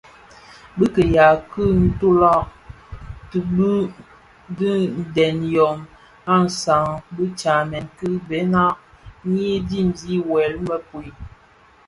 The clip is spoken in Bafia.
Bi kiyaň ki ntulag ti bi dhi dhen yom a saad bi tsamèn ki bena yi diňzi wuèl i mëpud.